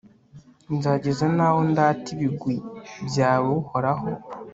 nzageza n'aho ndata ibigwi byawe, uhoraho